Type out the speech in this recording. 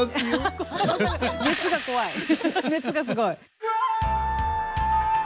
熱がすごい！